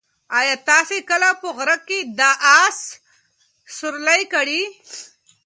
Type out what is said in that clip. ایا تاسي کله په غره کې د اس سورلۍ کړې؟